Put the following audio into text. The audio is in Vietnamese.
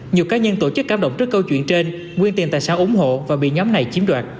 nhiều cá nhân tổ chức cảm động trước câu chuyện trên nguyên tiền tài sản ủng hộ và bị nhóm này chiếm đoạt